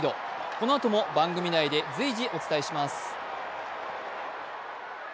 このあとも番組内で随時お伝えします。